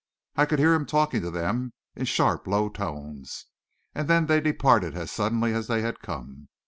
I could hear him talking to them in sharp, low tones, and then they departed as suddenly as they had come.